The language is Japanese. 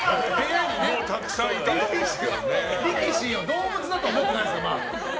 力士を動物だと思ってないですから。